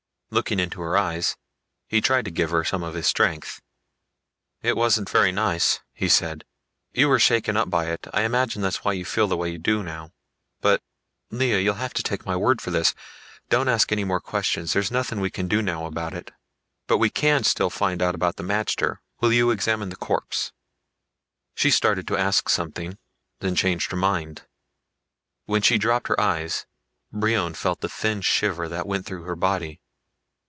Looking into her eyes, he tried to give her some of his strength. "It wasn't very nice," he said. "You were shaken up by it, I imagine that's why you feel the way you do now. But Lea, you'll have to take my word for this. Don't ask any more questions. There's nothing we can do now about it. But we can still find out about the magter. Will you examine the corpse?" She started to ask something, then changed her mind. When she dropped her eyes Brion felt the thin shiver that went through her body.